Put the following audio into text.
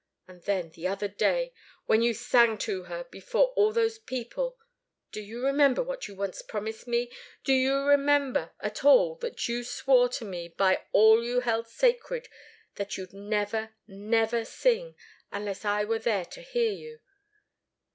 And then, the other day, when you sang to her before all those people; do you remember what you once promised me? Do you remember at all that you swore to me by all you held sacred that you'd never, never sing, unless I were there to hear you?